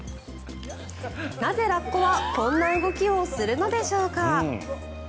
なぜラッコはこんな動きをするのでしょうか？